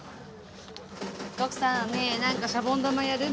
徳さんねえなんかシャボン玉やる？